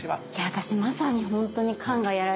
私まさに本当に肝がやられてます。